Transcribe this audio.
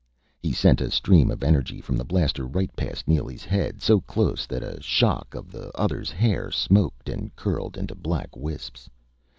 He sent a stream of energy from the blaster right past Neely's head, so close that a shock of the other's hair smoked and curled into black wisps.